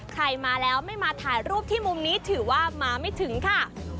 ใครมาแล้วไม่มาถ่ายรูปที่มุมนี้ถือว่ามาไม่ถึงค่ะ